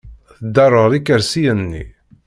Tderrer ikersiyen-nni.